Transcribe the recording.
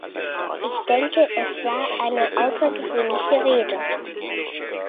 Ich denke, es war eine außergewöhnliche Rede.